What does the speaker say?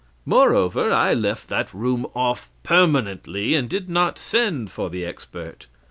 Moreover, I left that room off permanently, and did not send for the expert.